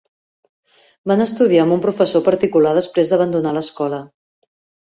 Van estudiar amb un professor particular després d'abandonar l'escola.